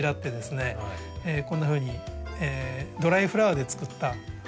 こんなふうにドライフラワーで作ったアレンジ。